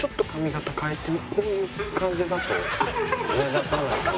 こういう感じだと。